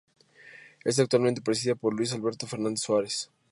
Es actualmente presidida por Luiz Alberto Fernandes Soares.